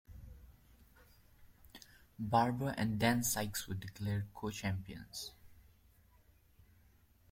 Barber and Dan Sikes were declared co-champions.